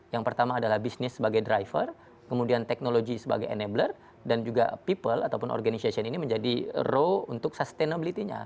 yang pertama adalah bisnis sebagai driver kemudian teknologi sebagai enabler dan juga people ataupun organization ini menjadi role untuk sustainability nya